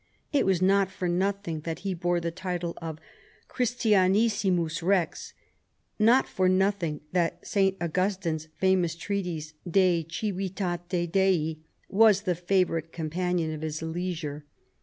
It was not for nothing that he bore the title of Christianissimus Rex, not for noth inc: that St. Augustine's famous treatise, De Civitate Dei ■* was the favorite companion of his leisure.